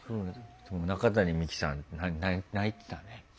中谷美紀さん泣いてたね。